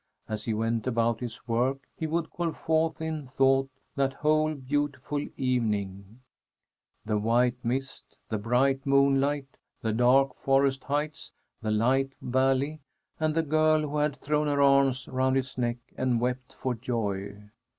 As he went about his work, he would call forth in thought that whole beautiful evening: the white mist, the bright moonlight, the dark forest heights, the light valley, and the girl who had thrown her arms round his neck and wept for joy.